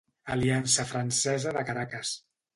Aliança Francesa de Caracas.